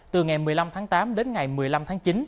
từ ngày một mươi năm tháng tám đến ngày một mươi năm tháng chín